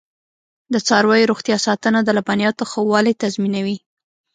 د څارویو روغتیا ساتنه د لبنیاتو ښه والی تضمینوي.